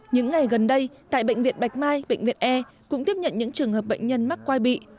những ngày gần đây tại bệnh viện bạch mai bệnh viện e cũng tiếp nhận những trường hợp bệnh nhân mắc quay bị